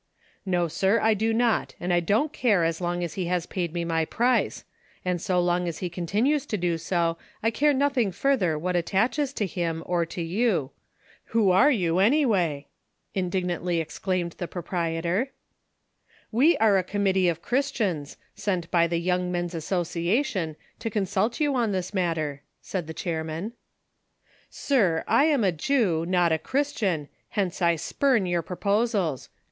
"Xo, sir, I do not, and I don't care as long as he has paid me my price ; and so long as he continues to do so, I care nothing further what attaches to him, or to you. "Who are you, any way V " indignantly exclaimed the pro l)rietor. " We are a committee of Christians, sent by the Young Men's Association, to consult you on this matter," said the chairman. "Sir, I am a Jew, not a Christian, hence I spurn your proposals!